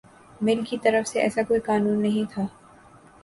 مل کی طرف سے ایسا کوئی قانون نہیں تھا